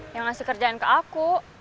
yang ngasih kerjaan ke aku